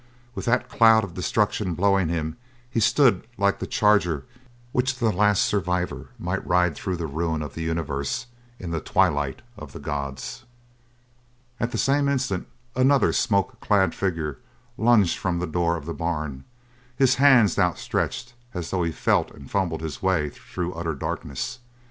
With that cloud of destruction blowing him he stood like the charger which the last survivor might ride through the ruin of the universe in the Twilight of the Gods. At the same instant, another smoke clad figure lunged from the door of the barn, his hands outstretched as though he felt and fumbled his way through utter darkness.